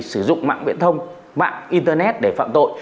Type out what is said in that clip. sử dụng mạng viễn thông mạng internet để phạm tội